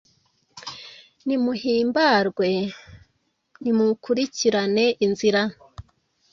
nimuhimbarwe, nimukurikirane inzira